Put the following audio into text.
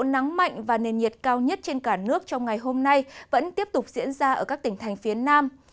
nắng mạnh và nền nhiệt cao nhất trên cả nước trong ngày hôm nay vẫn tiếp tục diễn ra ở các tỉnh thành phía nam